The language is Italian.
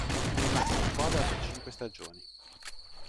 È rimasto in squadra per cinque stagioni.